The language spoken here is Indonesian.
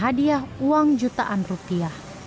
dan hadiah uang jutaan rupiah